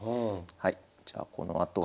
はいじゃあこのあと。